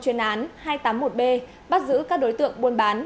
chuyên án hai trăm tám mươi một b bắt giữ các đối tượng buôn bán